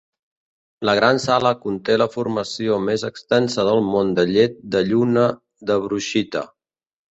La Gran Sala conté la formació més extensa del món de llet de lluna de brushita.